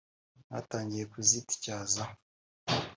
mwatangiye kuzityaza